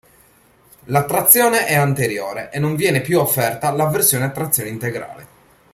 La trazione è anteriore e non viene più offerta la versione a trazione integrale.